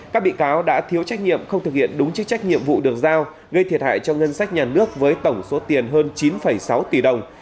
các bị cáo đã thiếu trách nhiệm không thực hiện đúng chức trách nhiệm vụ được giao gây thiệt hại cho ngân sách nhà nước với tổng số tiền hơn chín sáu tỷ đồng